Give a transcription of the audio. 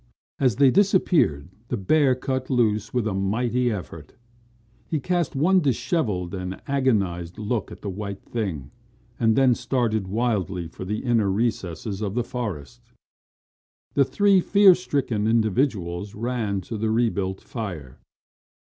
As they disappeared, the bear cut loose with a mighty effort. He cast one dishevelled and agonized look at the white thing, and then started wildly for the inner recesses of the forest. The three fear stricken individuals ran to the rebuilt fire.